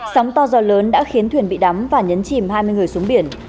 sóng to gió lớn đã khiến thuyền bị đắm và nhấn chìm hai mươi người xuống biển